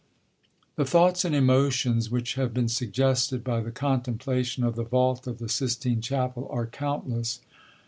The thoughts and emotions which have been suggested by the contemplation of the vault of the Sistine Chapel are countless.